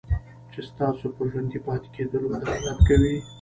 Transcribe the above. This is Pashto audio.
چې ستاسو په ژوندي پاتې کېدلو دلالت کوي.